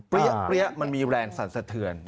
เปรี้ยะเปรี้ยะมันมีแรงสันสะเทือน